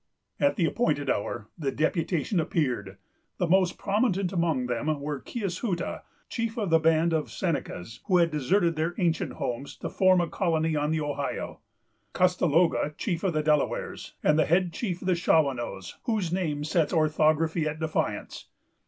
At the appointed hour, the deputation appeared. The most prominent among them were Kiashuta, chief of the band of Senecas who had deserted their ancient homes to form a colony on the Ohio; Custaloga, chief of the Delawares; and the head chief of the Shawanoes, whose name sets orthography at defiance.